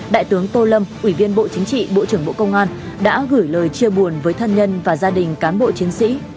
đại tướng tô lâm ủy viên bộ chính trị bộ trưởng bộ công an đã gửi lời chia buồn với thân nhân và gia đình cán bộ chiến sĩ